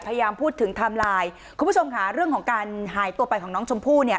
พยายามพูดถึงไทม์ไลน์คุณผู้ชมค่ะเรื่องของการหายตัวไปของน้องชมพู่เนี่ย